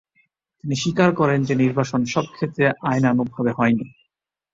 তিনি স্বীকার করেন যে নির্বাসন সবক্ষেত্রে আইনানুগভাবে হয়নি।